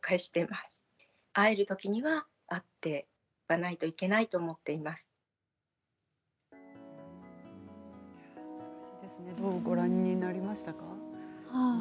難しいですねどうご覧になりましたか？